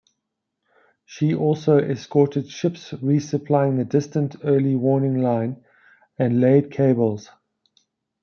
She also escorted ships re-supplying the Distant Early Warning Line and laid cables.